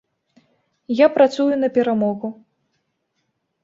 Я працую на перамогу.